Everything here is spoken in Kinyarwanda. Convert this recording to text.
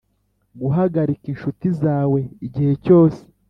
guhagarika inshuti zawe igihe cyose.